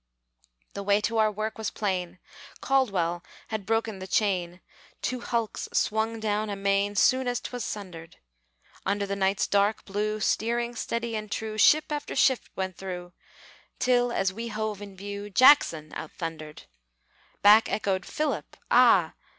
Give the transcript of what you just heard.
The way to our work was plain. Caldwell had broken the chain (Two hulks swung down amain Soon as 'twas sundered). Under the night's dark blue, Steering steady and true, Ship after ship went through, Till, as we hove in view, "Jackson" out thundered! Back echoed "Philip!" ah!